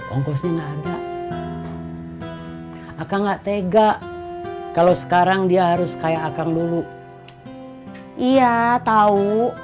ongkosnya nada akan enggak tega kalau sekarang dia harus kayak akang dulu iya tahu